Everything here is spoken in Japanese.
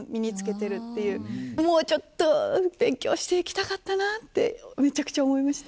もうちょっと勉強して行きたかったなってめちゃくちゃ思いました。